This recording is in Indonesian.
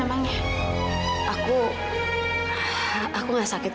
kamu ngetes apa lagi zahira